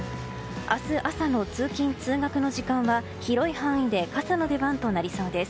明日朝の通勤・通学の時間は広い範囲で傘の出番となりそうです。